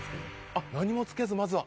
あっ何も付けずまずは。